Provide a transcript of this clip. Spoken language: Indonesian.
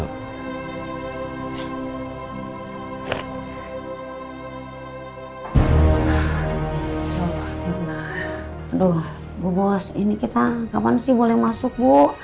nah aduh bu bos ini kita kapan sih boleh masuk bu